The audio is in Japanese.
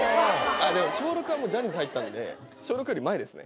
あでも小６はもうジャニーズ入ったんで小６より前ですね。